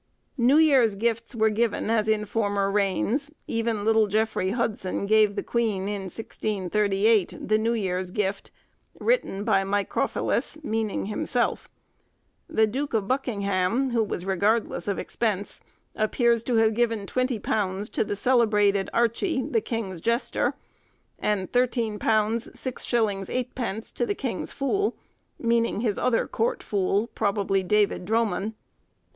New Year's Gifts were given as in former reigns; even little Jeffery Hudson gave the queen in 1638, 'The New Year's Gift,' written by Microphilus, meaning himself. The Duke of Buckingham, who was regardless of expense, appears to have given £20 to the celebrated Archie, the king's jester; and £13 6_s._ 8_d._ to the king's fool, meaning his other court fool, probably David Dromon.